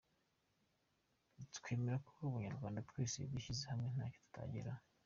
Twemera ko Abanyarwanda twese dushyize hamwe ntacyo tutageraho.